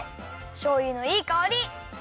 しょうゆのいいかおり！